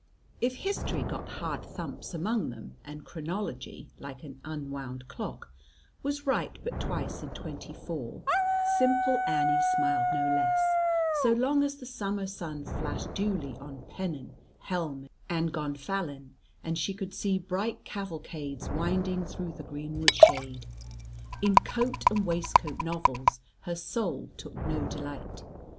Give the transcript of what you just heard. If history got hard thumps among them, and chronology, like an unwound clock, was right but twice in twenty four, simple Annie smiled no less, so long as the summer sun flashed duly on pennon, helm, and gonfalon, and she could see bright cavalcades winding through the greenwood shade. In "coat and waistcoat" novels her soul took no delight.